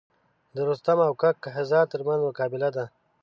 د رستم او کک کهزاد تر منځ مقابله ده.